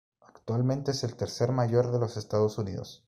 Actualmente es el tercer mayor de los Estados Unidos.